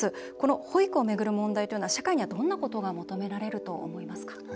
保育を巡る問題というのは社会には、どんなことが求められると思いますか？